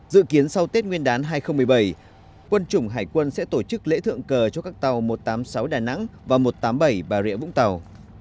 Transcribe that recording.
dự kiến sau tết nguyên đán hai nghìn một mươi bảy quân chủng hải quân sẽ tổ chức lễ thượng cờ cho các tàu một trăm tám mươi sáu đà nẵng và một trăm tám mươi bảy bà rịa vũng tàu